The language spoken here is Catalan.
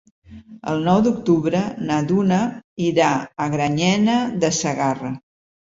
El nou d'octubre na Duna irà a Granyena de Segarra.